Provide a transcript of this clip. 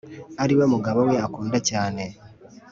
Ari we mugabo we akunda cyane